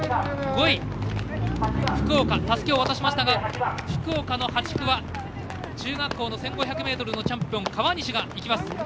５位、福岡たすきを渡しましたが福岡の８区は中学生の１５００ｍのチャンピオン川西がいきます。